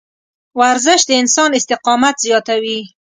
ورزش د انسان استقامت زیاتوي.